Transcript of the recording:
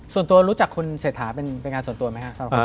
ส่วนตัวรู้จักคุณเศรษฐาเป็นงานส่วนตัวไหมครับ